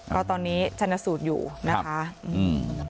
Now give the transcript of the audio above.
ก็ตอนนี้ชันสูตรอยู่นะคะอืม